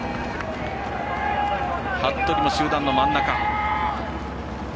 服部も集団の真ん中。